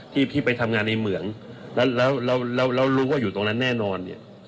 ที่ไปทำงานในเหมืองแล้วรู้ว่าอยู่ตรงนั้นแน่นอน